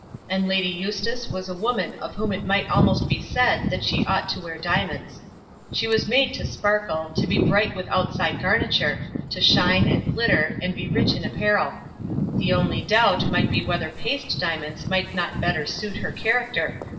And Lady Eustace was a woman of whom it might almost be said that she ought to wear diamonds. She was made to sparkle, to be bright with outside garniture, to shine and glitter, and be rich in apparel. The only doubt might be whether paste diamonds might not better suit her character.